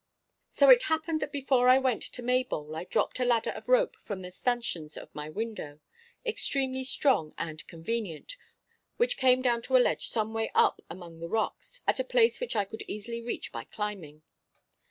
So it happened that before I went to Maybole I dropped a ladder of rope from the stanchions of my window, extremely strong and convenient, which came down to a ledge someway up among the rocks, at a place which I could easily reach by climbing.